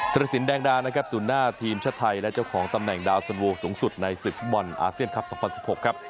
รสินแดงดานะครับศูนย์หน้าทีมชาติไทยและเจ้าของตำแหนดาวสันโวสูงสุดในศึกฟุตบอลอาเซียนคลับ๒๐๑๖ครับ